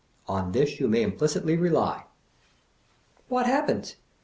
On this you may implicitly rely." What happens?